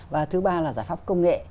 và thứ ba là giải pháp công nghệ